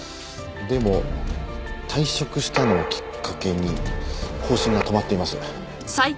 でも退職したのをきっかけに更新が止まっています。